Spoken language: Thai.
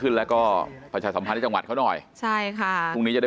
ขึ้นแล้วก็ประชาสัมพันธ์จังหวัดเขาหน่อยใช่ค่ะพรุ่งนี้จะได้